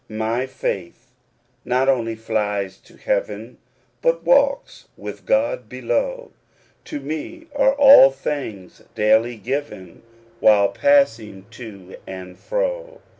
My faith not only flies to heaven, But walks with God below ; To me are all things daily given, While passing to and fro.